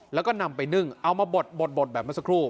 แล้วก็นำไปนึ่งเอามาบดแบบเมื่อสักครู่